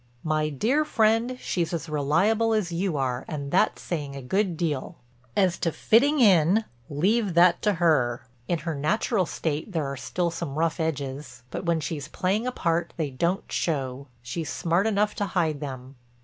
"My dear friend, she's as reliable as you are and that's saying a good deal. As to fitting in, leave that to her. In her natural state there are still some rough edges, but when she's playing a part they don't show. She's smart enough to hide them."